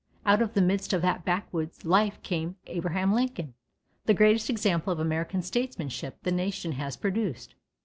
Out of the midst of that backwoods life came Abraham Lincoln, the greatest example of American statesmanship the nation has produced.